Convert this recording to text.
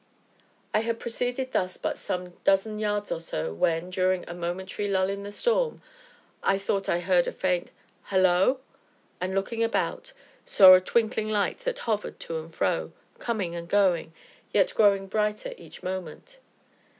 I had proceeded thus but some dozen yards or so when, during a momentary lull in the storm, I thought I heard a faint "Hallo," and looking about, saw a twinkling light that hovered to and fro, coming and going, yet growing brighter each moment.